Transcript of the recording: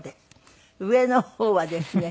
上の方はですね